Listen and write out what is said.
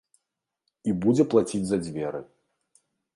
І будзе плаціць за дзверы.